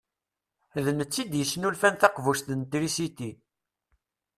D netta i d-yesnulfan taqbuct n trisit.